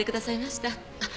あっ。